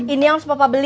ini yang harus papa beli